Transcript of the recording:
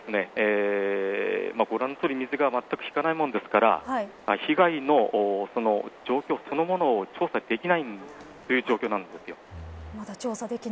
ご覧のとおり、水がまったく引かないものですから被害の状況そのものを調査できないという状況なんです。